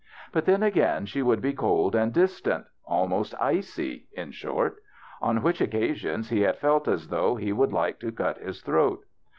But then, again she would be cold and distant, almost icy, in short ; on which occa sions he had felt as though he would like to cut his throat.